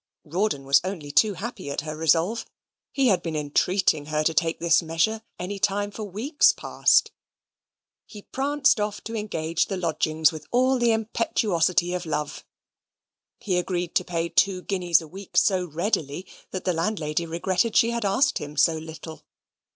Rawdon was only too happy at her resolve; he had been entreating her to take this measure any time for weeks past. He pranced off to engage the lodgings with all the impetuosity of love. He agreed to pay two guineas a week so readily, that the landlady regretted she had asked him so little.